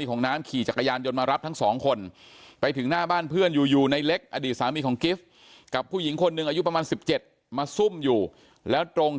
ก็กลัวอยู่กลัวข้ามฝั่งนู้น